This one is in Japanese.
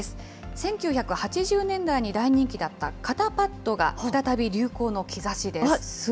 １９８０年代に大人気だった肩パッドが再び流行の兆しです。